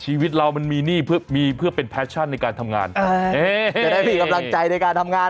ชีวิตเรามันมีนี่มีเพื่อเป็นแพชั่นได้ทำงานง่ายส่วนผิดข้ำลังใจในการทำงาน